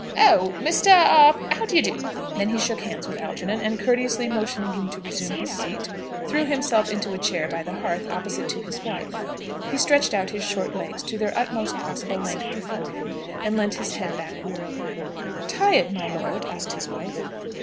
"Oh! Mr. a a, how d'ye do?" Then he shook hands with Algernon, and courteously motioning him to resume his seat, threw himself into a chair by the hearth, opposite to his wife. He stretched out his short legs to their utmost possible length before him, and leant his head back wearily. "Tired, my lord?" asked his wife.